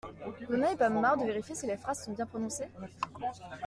Vous n'en avez pas marre de vérifier si les phrases sont bien prononcées?